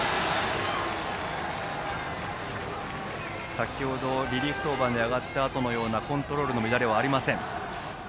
先程、リリーフ登板で上がったあとのようなコントロールの乱れはありません。